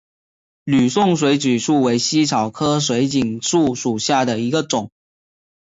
吕宋水锦树为茜草科水锦树属下的一个种。